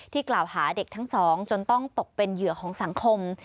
กล่าวหาเด็กทั้งสองจนต้องตกเป็นเหยื่อของสังคม